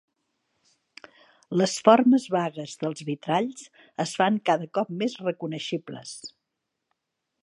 Les formes vagues dels vitralls es fan cada cop més reconeixibles.